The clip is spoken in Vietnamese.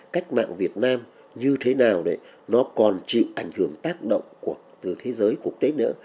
cách mạng việt nam như thế nào đấy nó còn chịu ảnh hưởng tác động từ thế giới quốc tế nữa